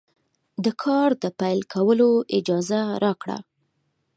د کار د پیل کولو اجازه راکړه.